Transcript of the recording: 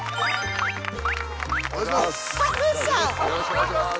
お願いします